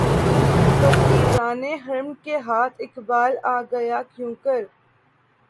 فقیران حرم کے ہاتھ اقبالؔ آ گیا کیونکر